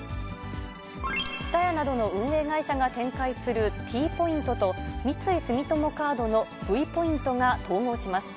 ＴＳＵＴＡＹＡなどの運営会社が展開するＴポイントと、三井住友カードのＶポイントが統合します。